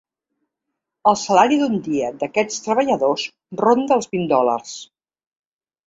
El salari d’un dia d’aquests treballadors ronda els vint dòlars.